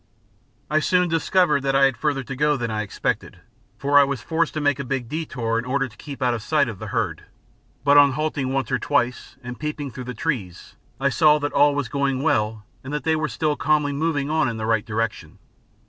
I soon discovered that I had further to go than I expected, for I was forced to make a big detour in order to keep out of sight of the herd; but on halting once or twice and peeping through the trees I saw that all was going well and that they were still calmly moving on in the right direction.